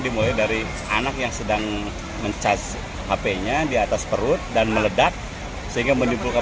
dimulai dari anak yang sedang mencacai hpnya di atas perut dan meledak sehingga menimbulkan